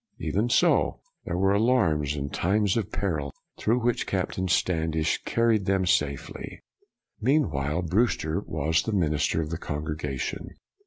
Even so, there were alarms, and times of peril, through which Captain Standish carried them safely. BREWSTER 209 Meanwhile, Brewster was the minister of the congregation.